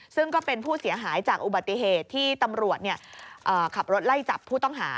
ซึ่งก็เป็นผู้เสียหายจากอุบัติเหตุที่ตำรวจขับรถไล่จับผู้ต้องหา